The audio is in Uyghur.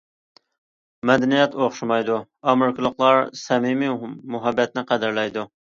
مەدەنىيەت ئوخشىمايدۇ، ئامېرىكىلىقلار سەمىمىي مۇھەببەتنى قەدىرلەيدۇ.